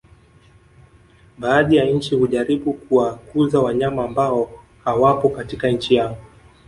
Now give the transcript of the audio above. Baadhi ya nchi hujaribu kuwakuza wanyama ambao hawapo katika nchi yao